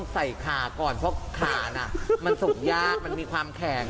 ใส่ขาก่อนเพราะขาน่ะมันส่งยากมันมีความแข็ง